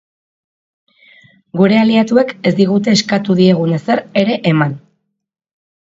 Gure aliatuek ez digute eskatu diegun ezer ere eman.